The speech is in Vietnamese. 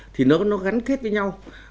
thì nó gắn kết với nhau